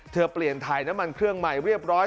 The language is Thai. เปลี่ยนถ่ายน้ำมันเครื่องใหม่เรียบร้อย